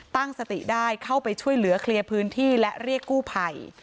ตั้งสติได้เข้าไปช่วยเหลือเคลียร์พื้นที่และเรียกกู้ภัย